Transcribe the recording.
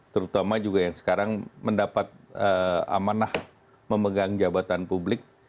terutama juga yang sekarang mendapat amanah memegang jabatan publik